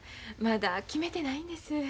まだ決めてないんです。